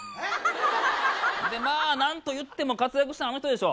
でまあなんと言っても活躍したんあの人でしょ。